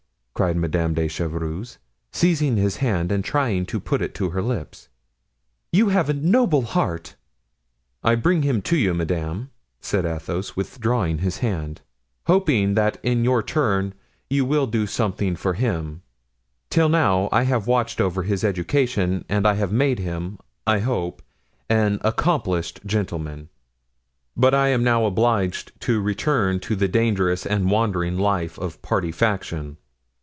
cried Madame de Chevreuse, seizing his hand and trying to put it to her lips; "you have a noble heart." "I bring him to you, madame," said Athos, withdrawing his hand, "hoping that in your turn you will do something for him; till now I have watched over his education and I have made him, I hope, an accomplished gentleman; but I am now obliged to return to the dangerous and wandering life of party faction.